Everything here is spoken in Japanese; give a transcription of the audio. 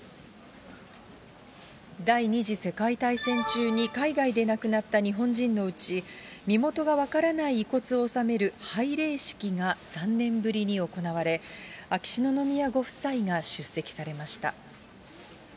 第２次世界大戦中に海外で亡くなった日本人のうち、身元が分からない遺骨を納める拝礼式が３年ぶりに行われ、秋篠宮ご夫妻が出席されました。